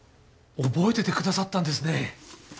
覚えててくださったんですね。